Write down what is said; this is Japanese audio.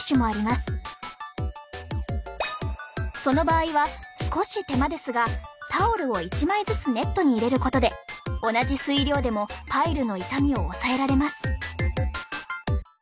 その場合は少し手間ですがタオルを１枚ずつネットに入れることで同じ水量でもパイルの傷みを抑えられます。